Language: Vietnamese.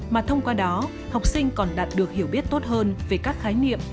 mà thông qua đó học sinh còn đạt được hiểu biết tốt hơn về các khái niệm